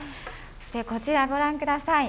こちらご覧ください。